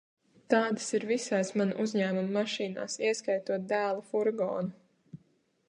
Tādas ir visās mana uzņēmuma mašīnās, ieskaitot dēla furgonu.